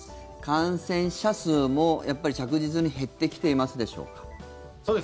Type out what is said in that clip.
感染者数もやっぱり着実に減ってきていますでしょうか。